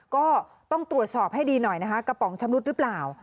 ก็ต้องตรวจสอบให้ดีหน่อยนะคะกระป๋องชำรุดหรือเปล่า